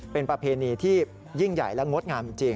เป็นประเพณีที่ยิ่งใหญ่และงดงามจริง